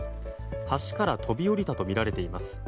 橋から飛び降りたとみられています。